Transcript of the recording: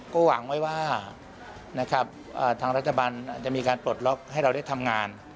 ก็หวังไว้ว่านะครับทางรัฐบาลอาจจะมีการปลดล็อกให้เราได้ทำงาน